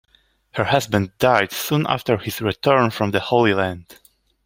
Her husband died soon after his return from the Holy Land.